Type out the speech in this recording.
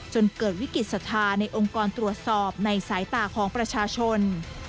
เกิดวิกฤตศรัทธาในองค์กรตรวจสอบในสายตาของประชาชน